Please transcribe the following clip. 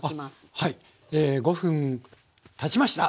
はい５分たちました！